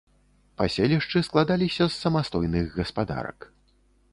Паселішчы складаліся з самастойных гаспадарак.